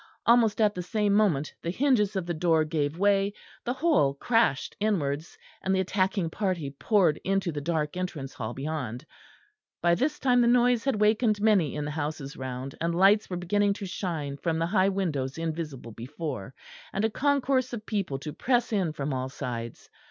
Almost at the same moment the hinges of the door gave way, the whole crashed inwards, and the attacking party poured into the dark entrance hall beyond. By this time the noise had wakened many in the houses round, and lights were beginning to shine from the high windows invisible before, and a concourse of people to press in from all sides.